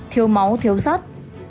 thiếu máu thiếu sắt